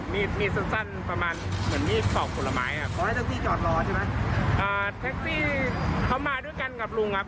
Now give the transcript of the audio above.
มีสันสั้นประมาณเหมือนมีสองผลไม้ครับอ่าแท็กซี่เขามาด้วยกันกับลุงครับ